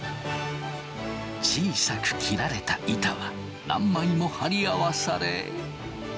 小さく切られた板は何枚も貼り合わされ。